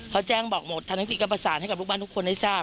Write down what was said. เขาแจ้งบอกหมดทั้งที่ก็ประสานให้กับลูกบ้านทุกคนได้ทราบ